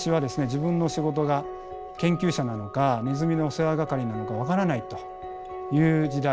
自分の仕事が研究者なのかネズミのお世話係なのか分からないという時代。